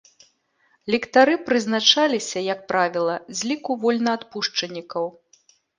Ліктары прызначаліся, як правіла, з ліку вольнаадпушчанікаў.